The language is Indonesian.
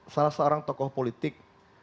salah seorang tokoh politik